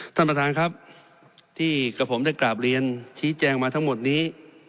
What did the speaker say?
ท่านประธานครับที่กับผมได้กราบเรียนชี้แจงมาทั้งหมดนี้